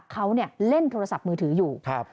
เขาเล่นโทรศัพท์มือถืออยู่